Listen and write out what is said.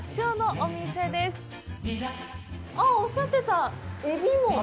おっしゃってた海老紋。